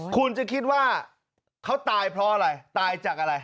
คุณจะคิดว่าเขาตายเพราะอะไรตายจากอะไร